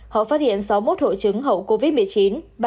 họ phát hiện sáu mươi một hội chứng hậu covid một mươi chín